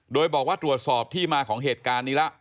โดยบอกว่าตรวจสอบที่มาของเหตุการณ์นี้แล้ว